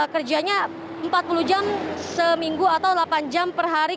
kerjanya empat puluh jam seminggu atau delapan jam per hari